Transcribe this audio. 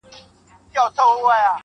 زه زما او ستا و دښمنانو ته.